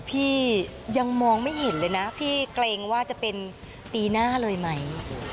พี่ยังมองไม่เห็นเลยนะพี่เกรงว่าจะเป็นปีหน้าเลยไหม